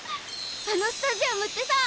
あのスタジアムってさ